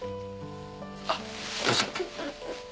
あっどうぞ。